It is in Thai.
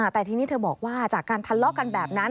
แต่ทีนี้เธอบอกว่าจากการทะเลาะกันแบบนั้น